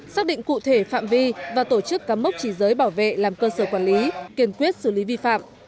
xác định cụ thể phạm vi và tổ chức cắm mốc chỉ giới bảo vệ làm cơ sở quản lý kiên quyết xử lý vi phạm